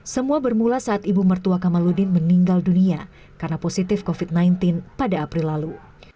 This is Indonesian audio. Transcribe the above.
semua bermula saat ibu mertua kamaludin meninggal dunia karena positif covid sembilan belas pada april lalu